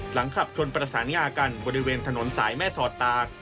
หลังขับชนประสานงากันบริเวณถนนสายแม่สอดตาก